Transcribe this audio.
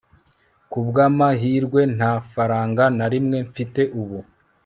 kubwamahirwe, nta faranga na rimwe mfite ubu